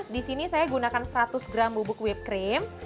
disini saya gunakan seratus gram bubuk whipped cream